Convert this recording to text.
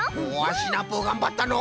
シナプーがんばったのう！